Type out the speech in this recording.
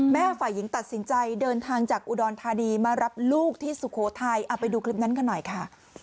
ฝ่ายหญิงตัดสินใจเดินทางจากอุดรธานีมารับลูกที่สุโขทัยเอาไปดูคลิปนั้นกันหน่อยค่ะ